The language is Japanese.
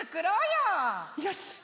よし！